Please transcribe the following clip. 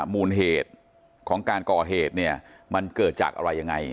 มูลเหตุของการก่อเหตุเนี่ยมันเกิดจากอะไรยังไง